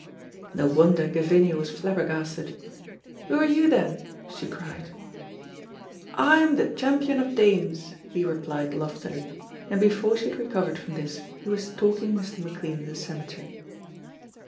No wonder Gavinia was flabbergasted. "Wha are you then?" she cried. "I'm the Champion of Dames," he replied loftily, and before she had recovered from this he was stalking Mr. McLean in the cemetery.